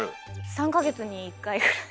３か月に１回ぐらいは。